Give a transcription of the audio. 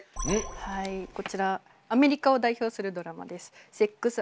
はいこちらアメリカを代表するドラマです。